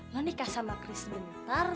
lo nikah sama chris sebentar